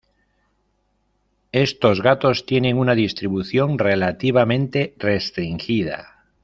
Estos gatos tienen una distribución relativamente restringida.